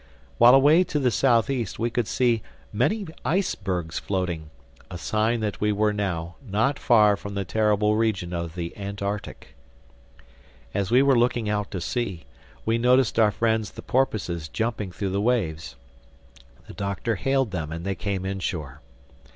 While away to the Southeast we could see many icebergs floating—a sign that we were now not far from the terrible region of the Antarctic. As we were looking out to sea, we noticed our friends the porpoises jumping through the waves. The Doctor hailed them and they came inshore.